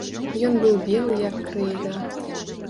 Ён быў белы як крэйда.